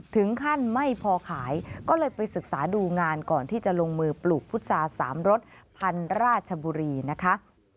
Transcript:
ถึงขั้นไม่พอขายก็เลยไปศึกษาดูงานก่อนที่จะลงมือปลูกพุษาสามรสพันธุ์ราชบุรีนะคะ